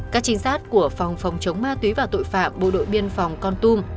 các trinh sát của phòng phòng chống ma túy và tội phạm bộ đội biên phòng con tum